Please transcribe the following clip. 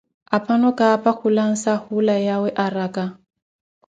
Aphano khapa khulansa hula yawe araka.